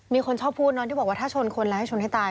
มีคนชอบพูดเนาะที่บอกว่าถ้าชนคนแล้วให้ชนให้ตาย